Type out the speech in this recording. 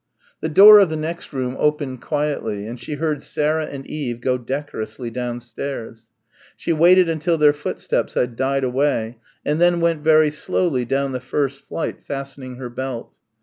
The door of the next room opened quietly and she heard Sarah and Eve go decorously downstairs. She waited until their footsteps had died away and then went very slowly down the first flight, fastening her belt.